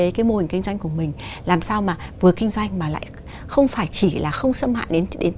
cái mô hình kinh doanh của mình làm sao mà vừa kinh doanh mà lại không phải chỉ là không xâm hại